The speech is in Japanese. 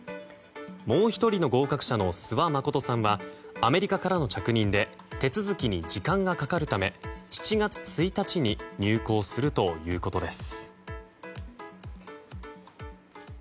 もう１人の合格者の諏訪理さんはアメリカからの着任で手続きに時間がかかるため７月１日に入構するということです。